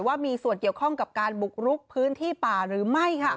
ว่ามีส่วนเกี่ยวข้องกับการบุกรุกพื้นที่ป่าหรือไม่